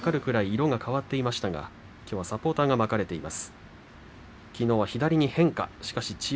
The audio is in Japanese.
色が変わっていましたがきょうはサポーターが巻かれています。